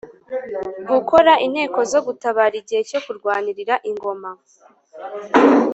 gukora inteko zo gutabara igihe cyo kurwanirira ingoma.